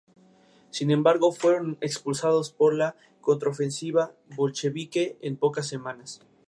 Sin embargo, fueron expulsados por la contraofensiva bolchevique en pocas semanas.